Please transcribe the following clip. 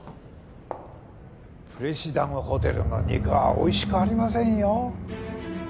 プレシダンホテルの肉は美味しくありませんよ。